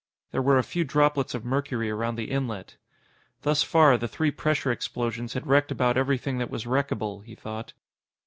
There were a few droplets of mercury around the inlet. Thus far, the three pressure explosions had wrecked about everything that was wreckable, he thought.